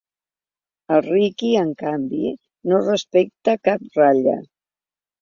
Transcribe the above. El Riqui, en canvi, no respecta cap ratlla.